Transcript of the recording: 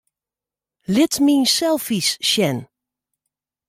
Lit myn selfies sjen.